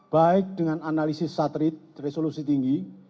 baik dengan analisis saterit resolusi tinggi